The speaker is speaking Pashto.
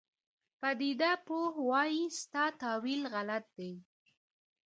پدیده پوه وایي ستا تاویل غلط دی.